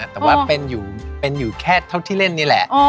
แต่ว่าเป็นอยู่แค่เท่าที่เล่นนี่แหละ